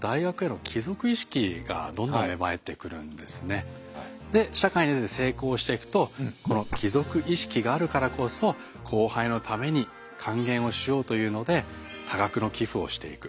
そこからで社会に出て成功していくとこの帰属意識があるからこそ後輩のために還元をしようというので多額の寄付をしていく。